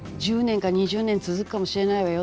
１０年、２０年続くかもしれないわよ。